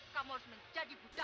kamu harus menjadi budak